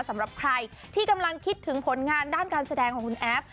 สำหรับใครที่กำลังคิดถึงผลงานด้านการแสดงของคุณแอฟ